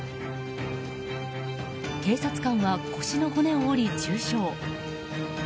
警察官は腰の骨を折り重傷。